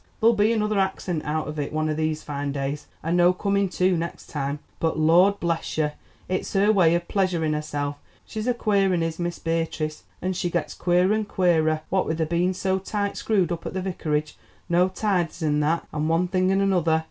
There'll be another accent out of it one of these fine days and no coming to next time. But, Lord bless you, it's her way of pleasuring herself. She's a queer un is Miss Beatrice, and she gets queerer and queerer, what with their being so tight screwed up at the Vicarage, no tithes and that, and one thing and another.